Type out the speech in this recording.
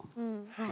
はい！